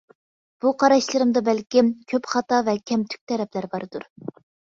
بۇ قاراشلىرىمدا بەلكىم، كۆپ خاتا ۋە كەمتۈك تەرەپلەر باردۇر.